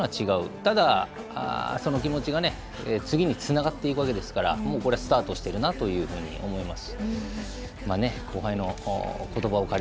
ただ、その気持ちが次につながっていくわけですからもうこれスタートしているなというふうに思います。